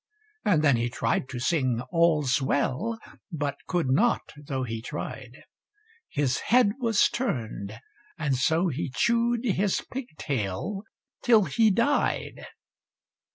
And then he tried to sing "All's Well," But could not, though he tried; His head was turn'd, and so he chew'd His pigtail till he died.